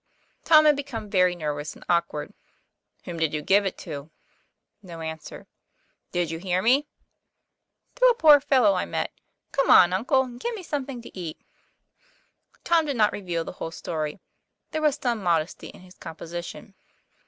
Tom had become very nervous and awkward. " Whom did you give it to? ' No answer. ' Did you hear me ?'" To a poor fellow I met. Come on, uncle, and get me something to eat." Tom did not reveal the whole story; there was some modesty in his composition.